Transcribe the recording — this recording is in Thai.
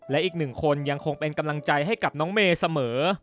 และอีกหนึ่งคนยังคงเป็นกำลังใจให้กับน้องเมย์เสมอ